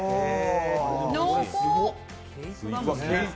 濃厚！